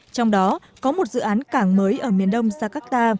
trong đó có một dự án cảng mới ở miền đông jakarta